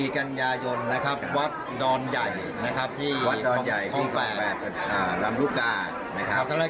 ๒๔กันยายนนะครับวัดดรณ์ใหญ่นะครับที่ของแปดลำลูกกานะครับ